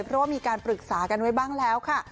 เพราะว่ามีการปรึกษากันไว้บ้างแล้วค่ะ